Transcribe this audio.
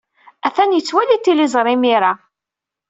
Atan yettwali tiliẓri imir-a.